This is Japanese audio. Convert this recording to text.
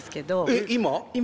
えっ今？